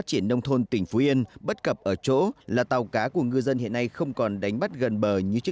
trong khi đó khi bán bảo hiểm tàu cá trong khi đó khi bán bảo hiểm tàu cá